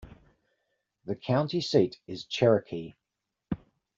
The county seat is Cherokee.